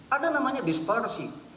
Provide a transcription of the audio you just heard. ada namanya distorsi